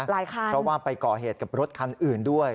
เพราะว่าไปก่อเหตุกับรถคันอื่นด้วย